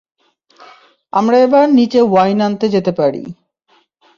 আমরা এবার নীচে ওয়াইন আনতে যেতে পারি।